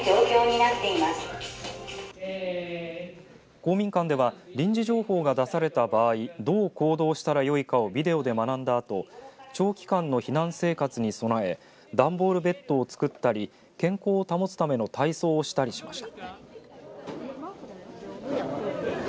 公民館では臨時情報が出された場合どう行動したらよいかをビデオで学んだあと長期間の避難生活に備え段ボールベッドを作ったり健康を保つための体操をしたりしました。